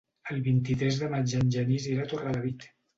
El vint-i-tres de maig en Genís irà a Torrelavit.